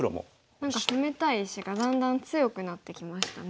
何か攻めたい石がだんだん強くなってきましたね。